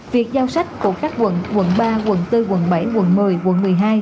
việc giao sách của các quận quận ba quận bốn quận bảy quận một mươi quận một mươi hai